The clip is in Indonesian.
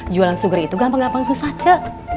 jualan suger itu gampang gampang susah cek